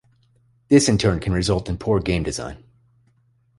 This in turn can result in poor game design.